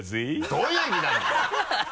どういう意味なんだよ！